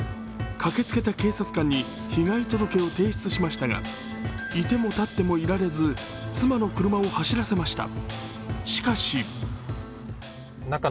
駆けつけた警察官に被害届を提出しましたがいてもたってもいられず妻の車を走らせました。